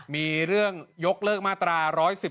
มีเรื่องยกเลิกมาตรา๑๑๒